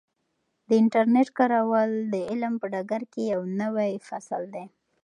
د انټرنیټ کارول د علم په ډګر کې یو نوی فصل دی.